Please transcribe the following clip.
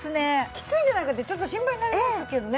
きついんじゃないかってちょっと心配になりますけどね